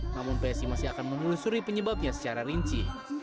namun psi masih akan menelusuri penyebabnya secara rinci